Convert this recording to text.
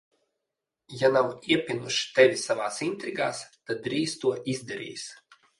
Ja nav iepinuši tevi savās intrigās, tad drīz to izdarīs.